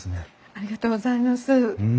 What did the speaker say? ありがとうございます。